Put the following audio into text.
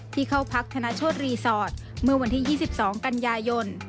เข้าพักธนโชธรีสอร์ทเมื่อวันที่๒๒กันยายน